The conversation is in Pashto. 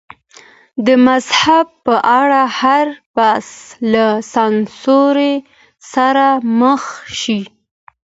د مذهب په اړه هر بحث له سانسور سره مخ شي.